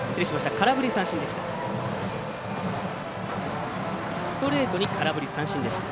空振り三振でした。